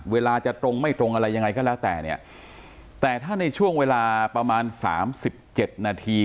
เวลาจะตรงไม่ตรงอะไรยังไงก็แล้วแต่แต่ถ้าในช่วงเวลาประมาณ๓๗นาที